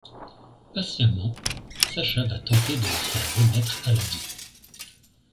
Patiemment, Sacha va tenter de la faire renaitre a la vie.